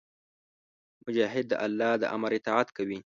مجاهد د الله د امر اطاعت کوي.